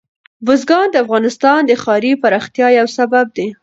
بزګان د افغانستان د ښاري پراختیا یو سبب دی.